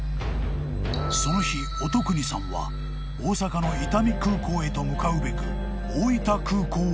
［その日乙訓さんは大阪の伊丹空港へと向かうべく大分空港を出発］